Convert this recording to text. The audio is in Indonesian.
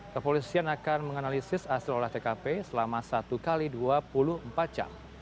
kepolisian akan menganalisis hasil olah tkp selama satu x dua puluh empat jam